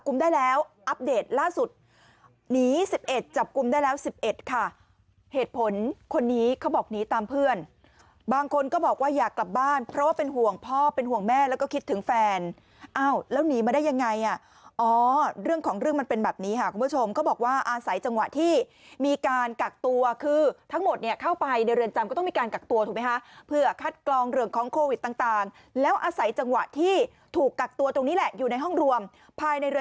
กุมได้แล้วอัปเดตล่าสุดหนี๑๑จับกุมได้แล้ว๑๑ค่ะเหตุผลคนนี้เขาบอกหนีตามเพื่อนบางคนก็บอกว่าอยากกลับบ้านเพราะว่าเป็นห่วงพ่อเป็นห่วงแม่แล้วก็คิดถึงแฟนอ้าวแล้วหนีมาได้ยังไงอ่ะอ๋อเรื่องของเรื่องมันเป็นแบบนี้ค่ะคุณผู้ชมเขาบอกว่าอาศัยจังหวะที่มีการกักตัวคือทั้งหมดเนี่ยเข้าไปในเร